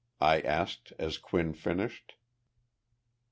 I asked as Quinn finished.